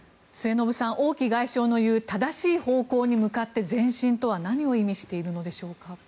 末延さん、王毅外相の言う正しい方向に向かって前進とは何を意味しているのでしょうか？